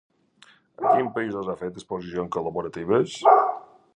A quins països ha fet exposicions col·laboratives?